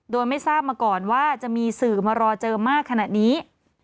โดยไม่ทราบมาก่อนว่าจะมีสื่อมารอเจอมากขนาดนี้